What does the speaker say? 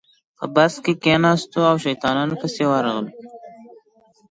په بس کې کېناستو او شیطانانو پسې ورغلو.